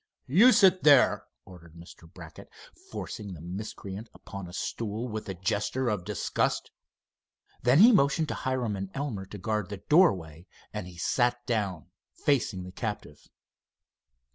"You sit there," ordered Mr. Brackett, forcing the miscreant upon a stool with the gesture of disgust. Then he motioned to Hiram and Elmer to guard the doorway and sat down facing the captive.